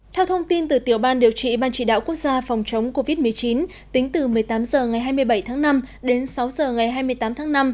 theo thông tin từ tiểu ban điều trị ban chỉ đạo quốc gia phòng chống covid một mươi chín tính từ một mươi tám h ngày hai mươi bảy tháng năm đến sáu h ngày hai mươi tám tháng năm